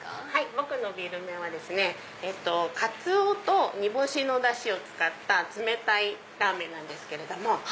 ぼくのビール麺はですねかつおと煮干しのダシを使った冷たいラーメンなんですけれども。